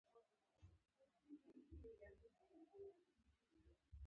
د مچۍ د زهر لپاره د پیاز اوبه وکاروئ